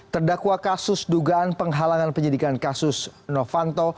terdakwa kasus dugaan penghalangan penyidikan kasus novanto